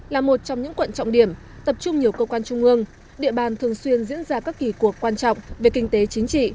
là một trong những quận trọng điểm tập trung nhiều cơ quan trung ương địa bàn thường xuyên diễn ra các kỳ cuộc quan trọng về kinh tế chính trị